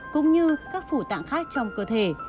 cũng như các phủ tạng khác trong cơ thể